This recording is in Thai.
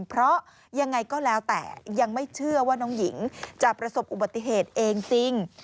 เพราะยังไงก็แล้วแต่ยังไม่เชื่อว่าน้องหญิงจะประสบอุบัติเหตุเองจริง